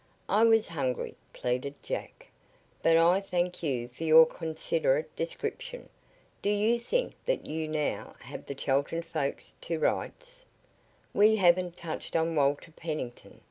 "I was hungry," pleaded Jack. "But I thank you for your considerate description. Do you think that you now have the Chelton folks to rights?" "We haven't touched on Walter Pennington.